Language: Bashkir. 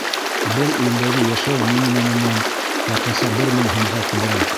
Был илдәге йәшәү минимумынан яҡынса бер мең һумға күберәк.